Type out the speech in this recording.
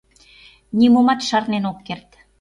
Нимомат шарнен ок керт...